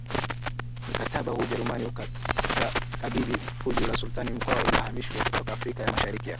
mkataba huu Ujerumani utakabidhi fuvu la Sultani Mkwawa iliyohamishwa kutoka Afrika ya Mashariki ya